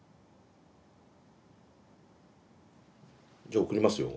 じゃあ送りますよ。